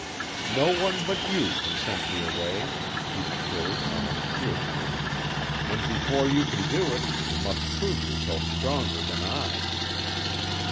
"No one but you can send me away " he declared almost fiercely, "and before you can do it you must prove yourself stronger than I."